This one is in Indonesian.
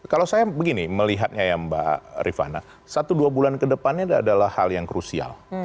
kalau saya begini melihatnya ya mbak rifana satu dua bulan ke depannya adalah hal yang krusial